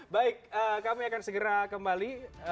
baik kami akan segera kembali